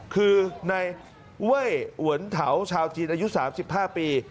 คือในเว้ยเหวนเถาชาวจีนอายุสามสิบห้าปี